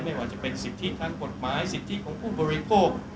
ไม่ว่าจะเป็นสิทธิทางกฎหมายสิทธิของผู้บริโภค